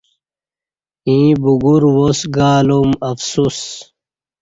ییں بگور واس گالوم افسوس